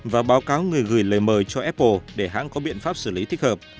và báo cáo người gửi lời mời cho apple để hãng có biện pháp xử lý thích hợp